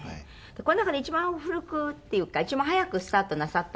この中で一番古くっていうか一番早くスタートなさったのが。